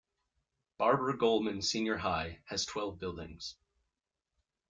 Barbara Goleman Senior High has twelve buildings.